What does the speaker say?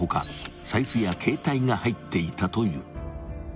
財布や携帯が入っていたという］